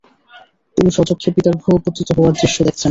তিনি স্বচক্ষে পিতার ভূপতিত হওয়ার দৃশ্য দেখছেন।